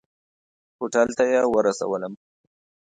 هوټل ته یې ورسولم.